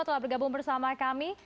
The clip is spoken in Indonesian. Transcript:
telah bergabung bersama kami